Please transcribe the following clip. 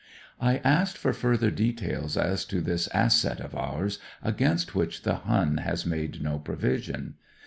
I asked for further details as to this asset of ours against which the Hun has made no provision.